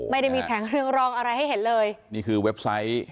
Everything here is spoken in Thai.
ไม่ได้มีแสงเรืองรองอะไรให้เห็นเลยนี่คือเว็บไซต์